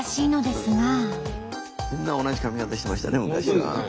スタジオみんな同じ髪形してましたね昔は。